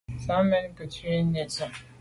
Sàm mèn ke’ ku’ nesian.